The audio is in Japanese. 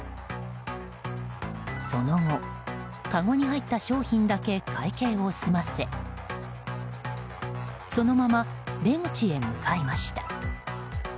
その後、かごに入った商品だけ会計を済ませそのまま出口へ向かいました。